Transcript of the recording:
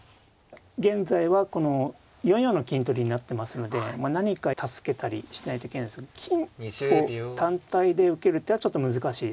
現在はこの４四の金取りになってますので何か助けたりしないといけないですけど金を単体で受ける手はちょっと難しいですね。